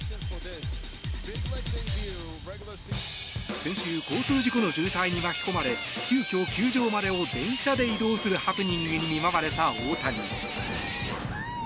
先週交通事故の渋滞に巻き込まれ急きょ、球場までを電車で移動するハプニングに見舞われた大谷。